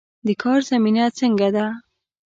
د کار زمینه څنګه ده؟